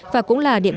và cũng là điện bán